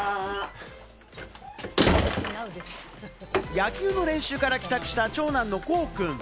野球の練習から帰宅した長男の琥生くん。